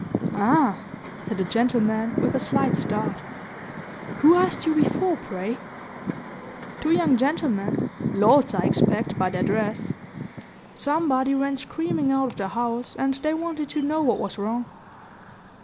"Ah!" said the gentleman, with a slight start. "Who asked you before, pray?" "Two young gentlemen; lords, I expect, by their dress. Somebody ran screaming out of the house, and they wanted to know what was wrong."